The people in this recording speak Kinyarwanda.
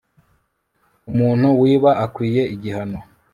umuntu wiba akwiye igihano